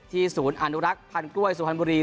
ที่ศูนย์อนุรักษ์พันกล้วยสุฮันบุรี